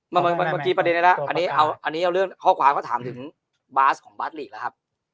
เมื่อกี้ประเด็นนี้แล้วอันนี้เอาเรื่องข้อความเขาถามถึงบาสของบาสลีกแล้วครับ